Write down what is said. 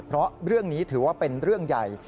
เพราะเรื่องนี้ถือว่าเป็นเรื่องใหญ่